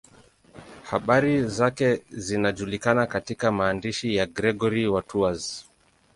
Habari zake zinajulikana katika maandishi ya Gregori wa Tours.